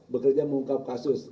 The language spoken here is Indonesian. bekerja mengungkap kasus